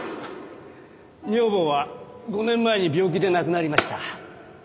女房は５年前に病気で亡くなりました。